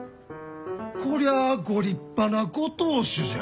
こりゃあご立派なご当主じゃ。